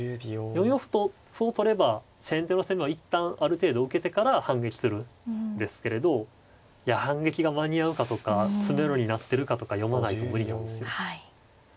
４四歩と歩を取れば先手の攻めは一旦ある程度受けてから反撃するんですけれど反撃が間に合うかとか詰めろになってるかとか読まないと無理なんですよ。